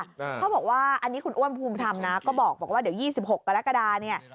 เขาบอกว่าอันนี้คุณอ้วนภูมิทำนะก็บอกว่าเดี๋ยว๒๖กรกฎาเนี่ย